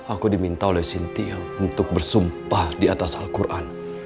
aku diminta oleh sintia untuk bersumpah di atas al quran